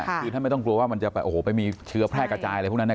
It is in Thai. คือท่านไม่ต้องกลัวว่ามันจะแบบโอ้โหไปมีเชื้อแพร่กระจายอะไรพวกนั้น